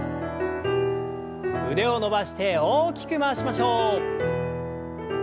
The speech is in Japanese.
腕を伸ばして大きく回しましょう。